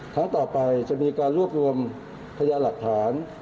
ครั้งต่อไปจะมีการรวบรวมพยานหลักฐาน